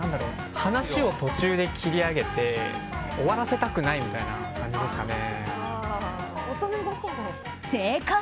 話を途中で切り上げて終わらせたくないみたいな感じですかね。